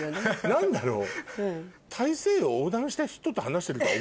何だろう？